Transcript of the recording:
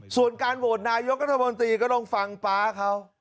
ส่วนการโหวตนายกัธมนตรีก็ลองฟังป๊าเขา